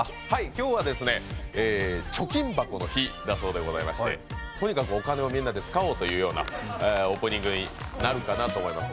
今日は貯金箱の日だそうでございましてとにかくお金をみんなで使おうというようなオープニングになるかなと思います。